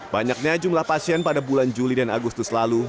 banyaknya jumlah pasien pada bulan juli dan agustus lalu